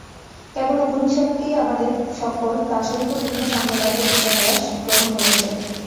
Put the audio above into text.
কেবল উপনিষদকেই আমাদের সকল দার্শনিক ও বিভিন্ন সম্প্রদায়ের প্রতিষ্ঠাতারা গ্রহণ করেছেন।